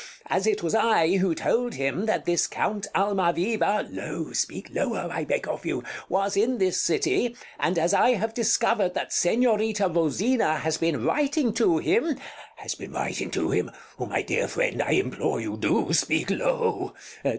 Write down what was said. As it was I who told him that this Count Almaviva Bartolo Low, speak lower, I beg of you. Count [in the same tone] Was in this city, and as I have discovered that Señorita Rosina has been writing to him Bartolo Has been writing to him? My dear friend, I implore you, do speak low!